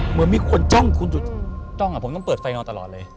เหมือนมีคนจ้องคุณจุดจ้องผมต้องเปิดไฟนอนตลอดเลย